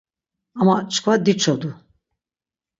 Ama çkva diçodu.